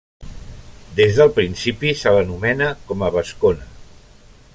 Des del principi se l'anomena com a vascona.